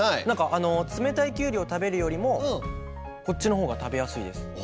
何か冷たいきゅうりを食べるよりもこっちのほうが食べやすいです。